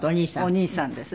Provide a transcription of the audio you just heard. お兄さんですね。